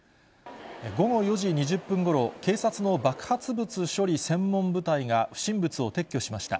午後４時２０分ごろ、警察の爆発物処理専門部隊が不審物を撤去しました。